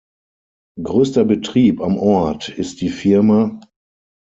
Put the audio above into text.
Größter Betrieb am Ort ist die Fa.